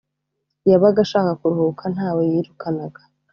yabaga ashaka kuruhuka nta we yirukanaga